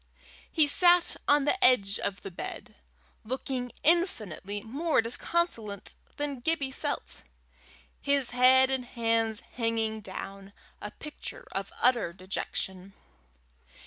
He sat on the edge of the bed, looking infinitely more disconsolate than Gibbie felt, his head and hands hanging down, a picture of utter dejection.